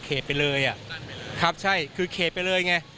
กั้นไปเลยเหรอคะครับใช่คือเคบไปเลยไง